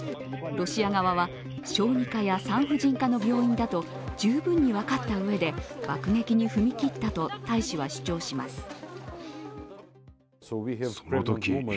ロシア側は小児科や産婦人科の病院だと十分に分かったうえで爆撃に踏み切ったと大使は主張します。